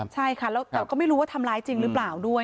แต่ก็ไม่รู้ว่าทำร้ายจริงหรือเปล่าด้วย